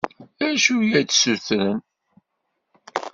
D acu i as-d-ssutren?